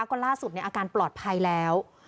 ก็ล่าสุดอาการปลอดภัยแล้ว